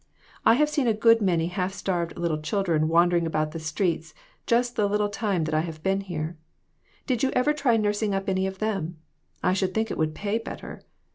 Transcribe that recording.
I have seen a good many half starved little children wandering about the streets just the little time that I have been here. Did you ever try nursing up any of them? I should think it would pay better.